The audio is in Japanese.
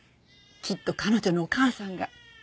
きっと彼女のお母さんが。